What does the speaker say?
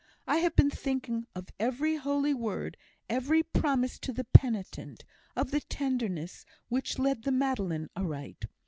I have been thinking of every holy word, every promise to the penitent of the tenderness which led the Magdalen aright.